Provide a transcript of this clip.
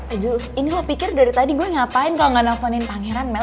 aduh ini kok pikir dari tadi gue ngapain kalo gak nelfonin pangeran mel